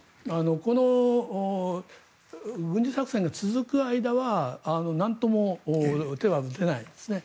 この軍事作戦が続く間はなんとも手は打てないですね。